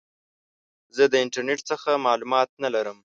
زه د انټرنیټ څخه معلومات نه لرم.